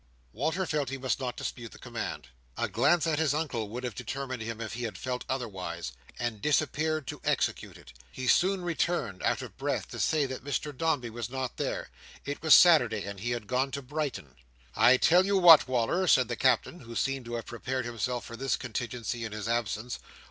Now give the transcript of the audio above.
Walter felt he must not dispute the command—a glance at his Uncle would have determined him if he had felt otherwise—and disappeared to execute it. He soon returned, out of breath, to say that Mr Dombey was not there. It was Saturday, and he had gone to Brighton. "I tell you what, Wal"r!" said the Captain, who seemed to have prepared himself for this contingency in his absence.